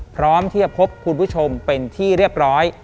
พร้อมที่จะพบคุณผู้ชมเป็นที่เรียบร้อย